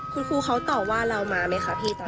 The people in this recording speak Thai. คุณครูเขาตอบว่าเรามาไหมคะพี่ตอน